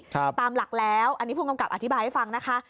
ตามหลักแล้วอันนี้ผู้กำกับอธิบายให้ฟังนะคะ